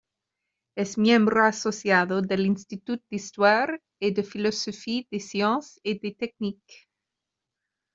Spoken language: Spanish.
Es miembro asociado del "Institut d'Histoire et de Philosophie des Sciences et des Techniques".